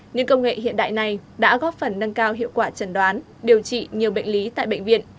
những công nghệ hiện đại này đã góp phần nâng cao hiệu quả trần đoán điều trị nhiều bệnh lý tại bệnh viện